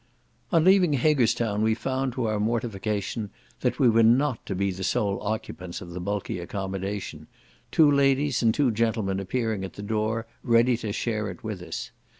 On leaving Haggerstown we found, to our mortification, that we were not to be the sole occupants of the bulky accommodation, two ladies and two gentlemen appearing at the door ready to share it with us.